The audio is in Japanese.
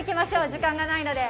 時間がないので。